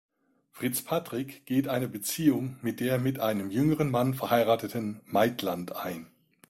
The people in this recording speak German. Fitzpatrick geht eine Beziehung mit der mit einem jüngeren Mann verheirateten Maitland ein.